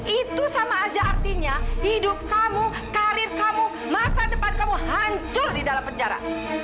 itu sama aja artinya hidup kamu karir kamu masa depan kamu hancur di dalam penjara